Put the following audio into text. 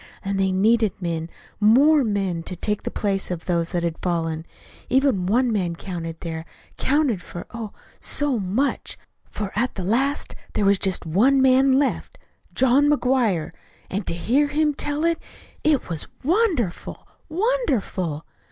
And they needed men more men to take the place of those that had fallen. Even one man counted there counted for, oh, so much! for at the last there was just one man left John McGuire. And to hear him tell it it was wonderful, wonderful!"